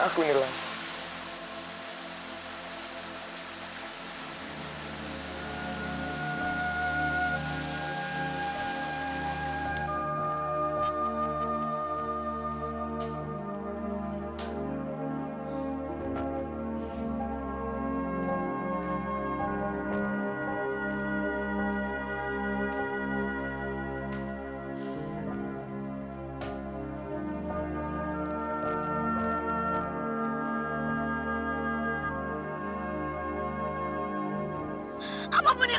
aku mencintai dia